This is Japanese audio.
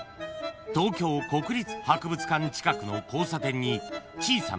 ［東京国立博物館近くの交差点に小さな西洋風の建物が］